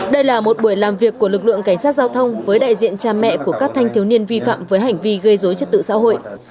đây là một buổi làm việc của lực lượng cảnh sát giao thông với đại diện cha mẹ của các thanh thiếu niên vi phạm với hành vi gây dối trật tự xã hội